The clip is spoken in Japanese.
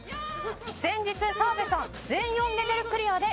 「先日澤部さん全４レベルクリアで」